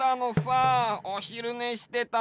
おひるねしてたのに。